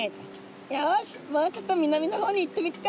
よしもうちょっと南の方に行ってみっか！」。